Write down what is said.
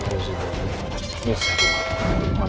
kamu sudah begitu senang